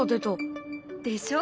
でしょ。